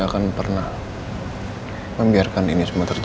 saya gak akan pernah membiarkan ini semua terjadi